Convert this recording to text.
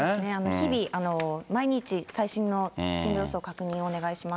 日々、毎日、最新の進路予想、確認をお願いします。